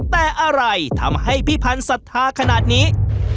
แต่อะไรทำให้พี่พันธ์ศรัทธาขนาดนี้